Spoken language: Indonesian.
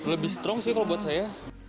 lebih strong sih kalau buat saya